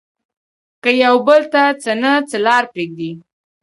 که يو بل ته څه نه څه لار پرېږدي